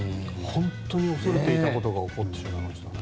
本当に恐れていたことが起こってしまいましたね。